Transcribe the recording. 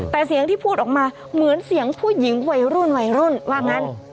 แต่เสียงที่พูดออกมาเหมือนเสียงผู้หญิงวัยรุ่นวัยรุ่นว่างั้น